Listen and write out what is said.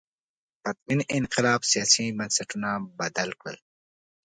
پرتمین انقلاب سیاسي بنسټونه بدل کړل.